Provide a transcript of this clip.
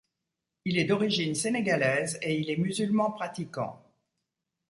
Il est d’origine sénégalaise et il est musulman pratiquant.